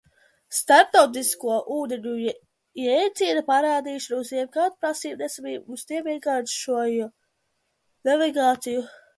Starptautisko ūdeņu jēdziena parādīšanās un jebkādu prasību neesamība uz tiem vienkāršoja navigāciju.